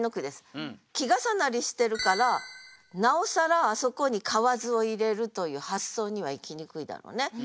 季重なりしてるからなおさらあそこに「蛙」を入れるという発想にはいきにくいだろうね。